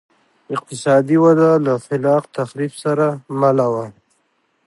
اقتصادي وده له خلاق تخریب سره مله وه